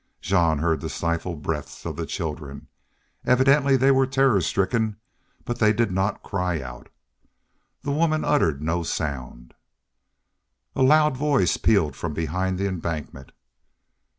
Jean heard the stifled breaths of the children. Evidently they were terror stricken, but they did not cry out. The women uttered no sound. A loud voice pealed from behind the embankment.